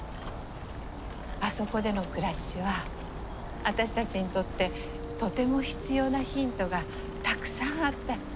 あそこでの暮らしは私たちにとってとても必要なヒントがたくさんあったって。